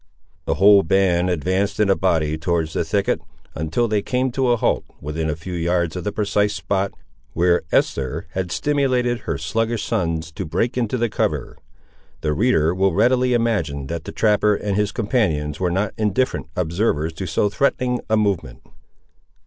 The whole band advanced in a body towards the thicket, until they came to a halt, within a few yards of the precise spot, where Esther had stimulated her sluggish sons to break into the cover. The reader will readily imagine that the trapper and his companions were not indifferent observers of so threatening a movement.